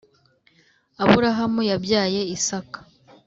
Aburahamu yabyaye Isaka,